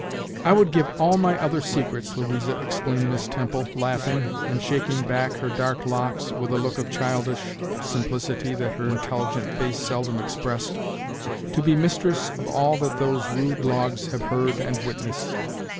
"I would give all my other secrets, Louisa," exclaimed Miss Temple, laughing, and shaking back her dark locks, with a look of childish simplicity that her intelligent face seldom expressed, "to be mistress of all that those rude logs have heard and witnessed."